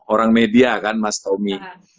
orang media kan mas tommy